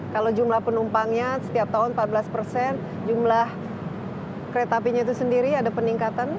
kalau jumlah penumpangnya setiap tahun empat belas persen jumlah kereta apinya itu sendiri ada peningkatan